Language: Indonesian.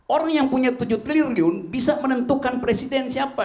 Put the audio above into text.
orang yang punya tujuh triliun bisa menentukan presiden siapa